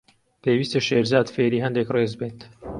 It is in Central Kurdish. پێویستە شێرزاد فێری هەندێک ڕێز بێت.